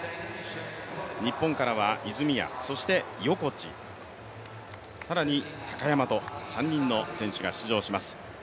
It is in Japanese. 日本からは泉谷、横地、更に高山と３人の選手が出場します。